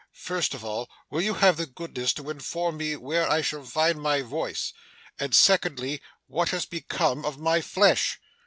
First of all, will you have the goodness to inform me where I shall find my voice; and secondly, what has become of my flesh?